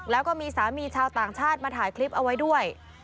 แล้วก็มีสามีชาวต่างชาติมาถ่ายคลิปเอาไว้ด้วย